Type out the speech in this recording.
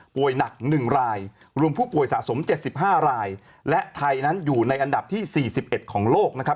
หนัก๑รายรวมผู้ป่วยสะสม๗๕รายและไทยนั้นอยู่ในอันดับที่๔๑ของโลกนะครับ